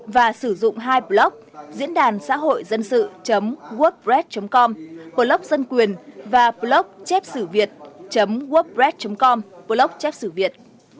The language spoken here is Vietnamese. và sử dụng hai blog diễn đàn xã hội dân sự workbred com blog dân quyền và blog chép xử việt workbred com blog chép xử việt